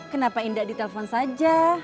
kenapa indah ditelepon saja